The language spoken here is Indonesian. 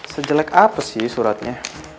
sejelek apa sih suratnya